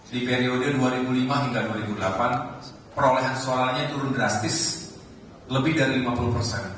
di periode dua ribu lima hingga dua ribu delapan perolehan suaranya turun drastis lebih dari lima puluh persen